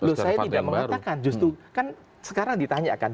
loh saya tidak mengatakan justru kan sekarang ditanya kan